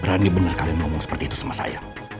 berani benar kalian ngomong seperti itu sama saya